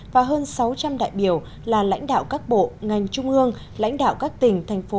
và hơn sáu trăm linh đại biểu là lãnh đạo các bộ ngành trung ương lãnh đạo các tỉnh thành phố